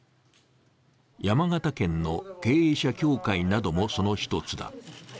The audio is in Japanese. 山形県の経営者協会などもその１つだ。